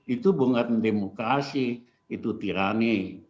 itu bunga demokrasi itu tirani